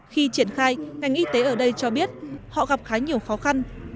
khi triển khai ngành y tế ở đây cho biết họ gặp khá nhiều khó khăn